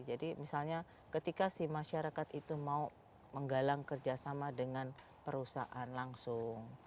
jadi misalnya ketika si masyarakat itu mau menggalang kerjasama dengan perusahaan langsung